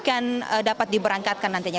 atau memang mereka akan dapat diberangkatkan nantinya